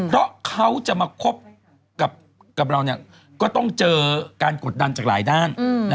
เพราะเขาจะมาคบกับเราก็ต้องเจอการกดดันจากหลายด้าน